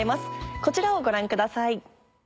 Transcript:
こちらをご覧ください。